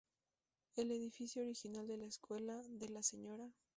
El edificio original de la escuela de la Sra.